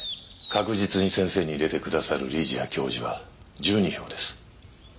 確実に先生に入れてくださる理事や教授は１２票です。